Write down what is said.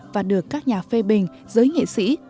và được các nhà phê bình giới nghệ sĩ và khán giả tự hào